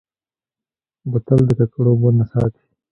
بوتل د ککړو اوبو نه ساتي.